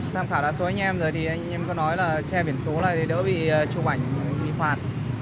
tạm khảo đa số anh em rồi thì anh em có nói là che biển số là để đỡ bị chụp ảnh bị phạt